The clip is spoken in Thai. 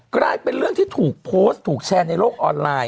กลายเป็นเรื่องที่ถูกโพสต์ถูกแชร์ในโลกออนไลน์